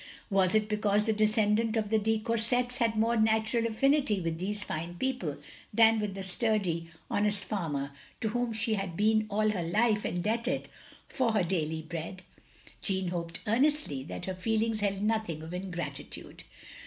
Was it because the descendant of the de Coursets had more natural affinity with these fine people than with the sturdy, honest farmer to whom she had been all her life indebted for her daily bread? Jeanne hoped earnestly that her feelings held nothing of ingratitude.